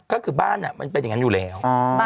ก็คือบ้านมันเป็นอย่างนั้นอยู่แล้ว